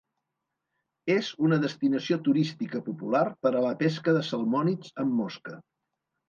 És una destinació turística popular per a la pesca de salmònids amb mosca.